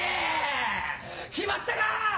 決まったか⁉さぁ